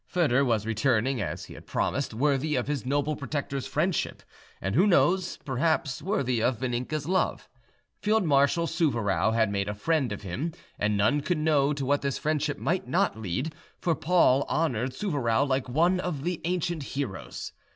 Foedor was returning, as he had promised, worthy of his noble protector's friendship, and who knows, perhaps worthy of Vaninka's love. Field Marshal Souvarow had made a friend of him, and none could know to what this friendship might not lead; for Paul honoured Souvarow like one of the ancient heroes.